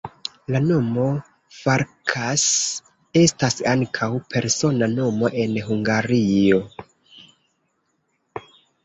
La nomo Farkas estas ankaŭ persona nomo en Hungario.